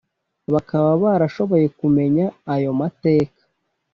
bakaba batarashoboye kumenya ayo mateka